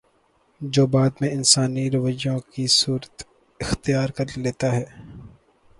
جو بعد میں انسانی رویوں کی صورت اختیار کر لیتا ہے